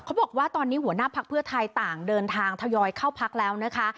บอกว่าตอนนี้หัวหน้าพักเพื่อไทยต่างเดินทางทยอยเข้าพักแล้วนะคะ